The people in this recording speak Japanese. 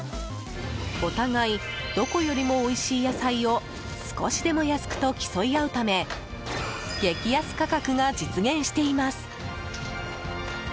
お互いどこよりもおいしい野菜を少しでも安くと競い合うため激安価格が実現しています。